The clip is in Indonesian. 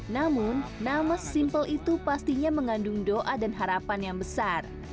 namun nama simple itu pastinya mengandung doa dan harapan yang besar